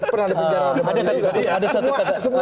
pernah di penjara